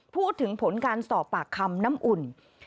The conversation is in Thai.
พูดถึงผลการสอบปากคำน้ำอุ่น